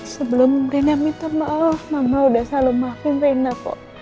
sebelum rena minta maaf mama udah selalu maafin rena pa